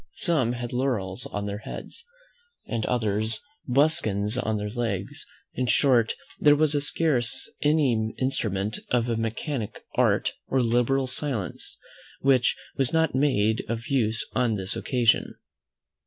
Some had laurels on their heads, and others buskins on their legs; in short, there was scarce any instrument of a mechanic art, or liberal science, which was not made of use on this occasion.